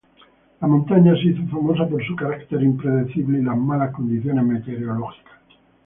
La montaña se hizo famosa por su carácter impredecible y las malas condiciones meteorológicas.